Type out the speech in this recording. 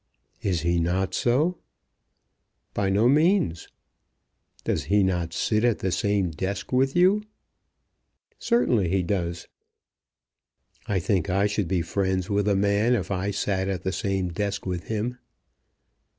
"Is he not so?" "By no means." "Does he not sit at the same desk with you?" "Certainly he does." "I think I should be friends with a man if I sat at the same desk with him."